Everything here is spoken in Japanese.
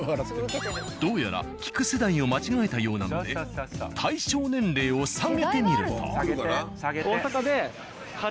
どうやら聞く世代を間違えたようなので対象年齢を下げてみると。